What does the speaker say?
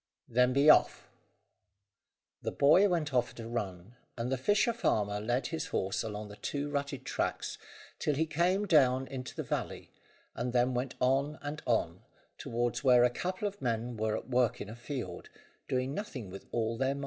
"Then be off." The boy went off at a run, and the fisher farmer led his horse along the two rutted tracks till he came down into the valley, and then went on and on, towards where a couple of men were at work in a field, doing nothing with all their might.